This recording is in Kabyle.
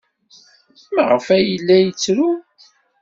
Maɣef ay yella yettru?